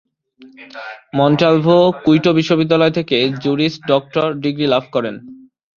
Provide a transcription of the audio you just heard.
মন্টালভো Quito বিশ্ববিদ্যালয় থেকে juris doctor degree লাভ করেন।